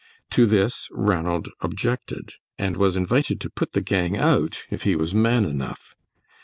To this Ranald objected, and was invited to put the gang out if he was man enough.